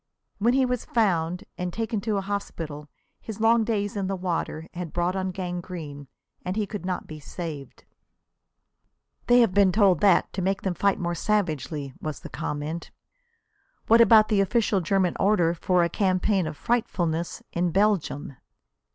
When he was found and taken to a hospital his long days in the water had brought on gangrene and he could not be saved. "They have been told that to make them fight more savagely," was the comment. "What about the official German order for a campaign of 'frightfulness' in Belgium?"